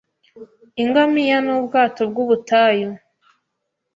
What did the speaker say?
Ingamiya nubwato bwubutayu.